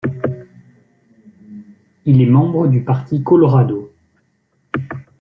Il est membre du Parti Colorado.